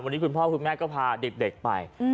วันนี้คุณพ่อคุณแม่ก็พาเด็กไป